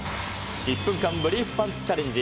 １分間ブリーフパンツチャレンジ。